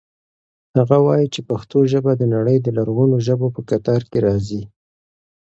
هغه وایي چې پښتو ژبه د نړۍ د لرغونو ژبو په کتار کې راځي.